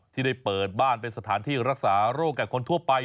ที่ได้เปิดบ้านเป็นสถานที่รักษาโรคแก่คนทั่วไป